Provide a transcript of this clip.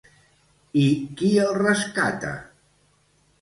I qui el rescata?